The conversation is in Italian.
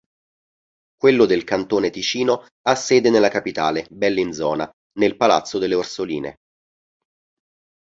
Quello del Cantone Ticino ha sede nella capitale, Bellinzona, nel Palazzo delle Orsoline.